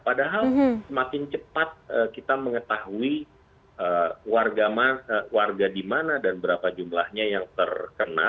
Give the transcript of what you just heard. padahal semakin cepat kita mengetahui warga di mana dan berapa jumlahnya yang terkena